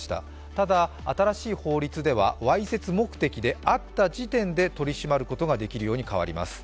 ただ、新しい法律ではわいせつ目的で会った時点で取り締まることができるように変わります。